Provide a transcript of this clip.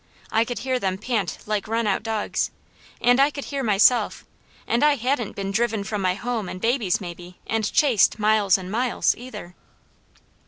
I could hear them pant like run out dogs; and I could hear myself, and I hadn't been driven from my home and babies, maybe and chased miles and miles, either.